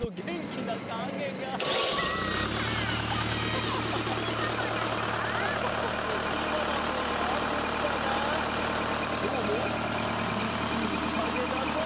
きょうもすばらしいかげだぞ！